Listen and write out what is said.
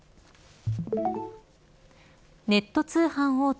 ネット通販大手